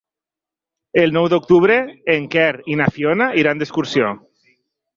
El nou d'octubre en Quer i na Fiona iran d'excursió.